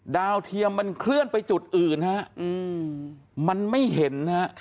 เทียมมันเคลื่อนไปจุดอื่นฮะมันไม่เห็นฮะ